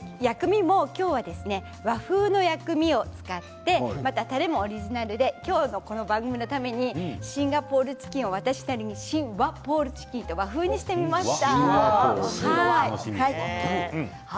薬味の今日は和風の薬味を使ってたれもオリジナルで今日の番組のためにシンガポールチキンをシン和ポールチキンと新しくしてみました。